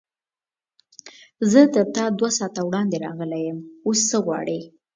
زه تر تا دوه ساعته وړاندې راغلی یم، اوس څه غواړې؟